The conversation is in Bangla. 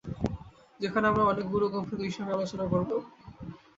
যেখানে আমরা অনেক গুরুগম্ভীর বিষয় নিয়ে আলোচনা করবো।